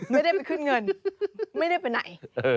ไม่ได้ไปขึ้นเงินไม่ได้ไปไหน